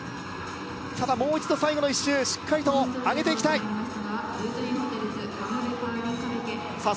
ただもう一度最後の１周しっかりと上げていきたいさあ